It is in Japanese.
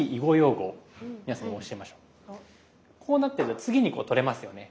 こうなってると次にこう取れますよね。